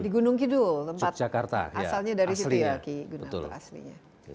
di gunung kidul tempat asalnya dari situ ya ki gunarto aslinya